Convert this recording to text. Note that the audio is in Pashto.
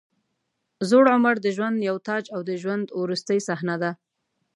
زوړ عمر د ژوند یو تاج او د ژوند وروستۍ صحنه ده.